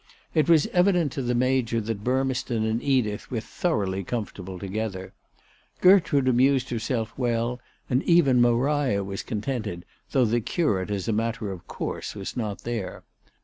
It was evident to the Major that Burmeston and Edith were thoroughly comfortable together. Gertrude amused herself well, and even Maria was contented, though the curate as a matter of course was not there.